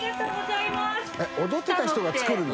┐踊ってた人が作るの？